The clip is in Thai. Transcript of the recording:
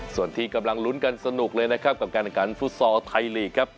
ส่วนที่กำลังลุ้นกันสนุกเลยนะครับกับการแข่งขันฟุตซอลไทยลีกครับ